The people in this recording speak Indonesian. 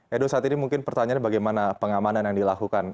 edo saat ini mungkin pertanyaannya bagaimana pengamanan yang dilakukan